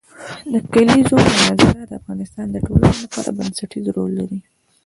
د کلیزو منظره د افغانستان د ټولنې لپاره بنسټيز رول لري.